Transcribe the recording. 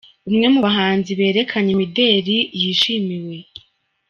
Umwe mu bahanzi berekanye imideli yishimiwe.